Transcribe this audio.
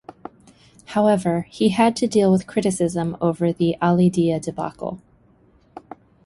However, he had to deal with criticism over the Ali Dia debacle.